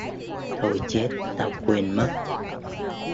Thôi chết tao quên mất